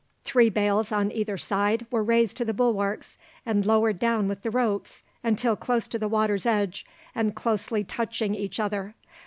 Three bales on either side were raised to the bulwarks, and lowered down with the ropes until close to the water's edge and closely touching each other.